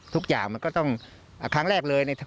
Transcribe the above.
ทุกอย่างมันก็ต้องครั้งแรกเลย